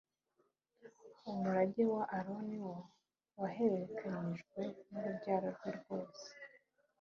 umurage wa Aroni, wo wahererekanyijwe n’urubyaro rwe rwose.